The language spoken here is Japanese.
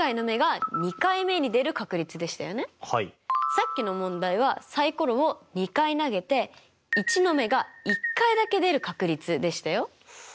さっきの問題はサイコロを２回投げて１の目が１回だけ出る確率でしたよ。